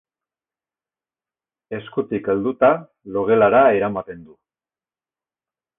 Eskutik helduta, logelara eramaten du.